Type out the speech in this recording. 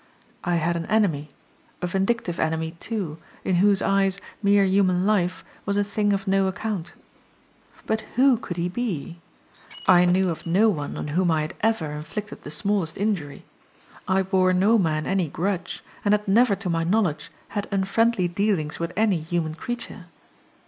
I had an enemy; a vindictive enemy, too, in whose eyes mere human life was a thing of no account. But who could he be? I knew of no one on whom I had ever inflicted the smallest injury. I bore no man any grudge and had never to my knowledge had unfriendly dealings with any human creature.